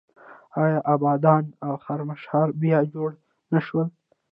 آیا ابادان او خرمشهر بیا جوړ نه شول؟